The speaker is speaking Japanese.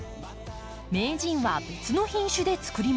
名人は別の品種でつくります。